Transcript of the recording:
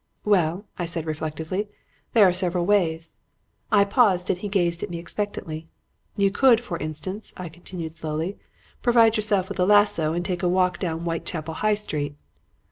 "'Well,' I said reflectively, 'there are several ways.' I paused and he gazed at me expectantly. 'You could, for instance,' I continued slowly, 'provide yourself with a lasso and take a walk down Whitechapel High Street.'